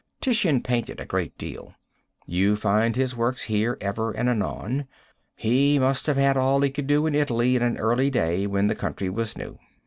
Titian painted a great deal. You find his works here ever and anon. He must have had all he could do in Italy in an early day, when the country was new.